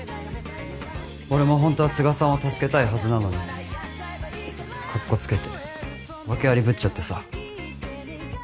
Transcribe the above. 俺もホントは都賀さんを助けたいはずなのにかっこつけて訳ありぶっちゃってさ。